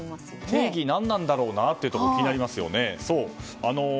定義ってなんなんだろうなというところ気になりますよね。